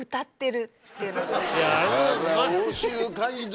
奥州街道